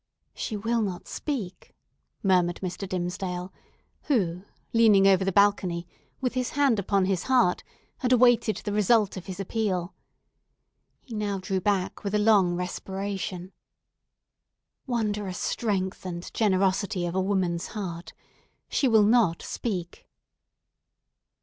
"She will not speak!" murmured Mr. Dimmesdale, who, leaning over the balcony, with his hand upon his heart, had awaited the result of his appeal. He now drew back with a long respiration. "Wondrous strength and generosity of a woman's heart! She will not speak!"